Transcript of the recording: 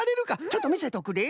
ちょっとみせとくれ。